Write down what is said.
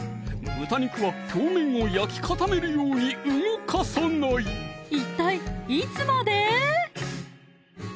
豚肉は表面を焼き固めるように動かさない一体いつまで？